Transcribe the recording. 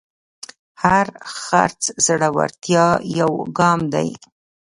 هر خرڅ د زړورتیا یو ګام دی.